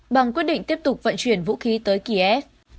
bằng quyết định tiếp tục vận chuyển vũ khí tới kiev